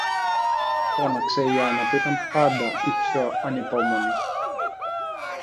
φώναξε η Άννα που ήταν πάντα η πιο ανυπόμονη.